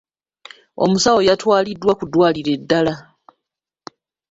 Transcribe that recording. Omusawo yatwaliddwa ku ddwaliro eddala.